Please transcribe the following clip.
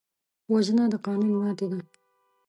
وژنه د قانون ماتې ده